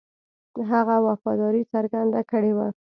هغه وفاداري څرګنده کړې وه.